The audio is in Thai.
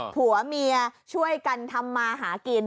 ผัวเมียช่วยกันทำมาหากิน